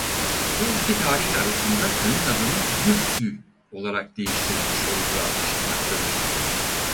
Bu iki tarih arasında köyün adının Gürsü olarak değiştirilmiş olduğu anlaşılmaktadır.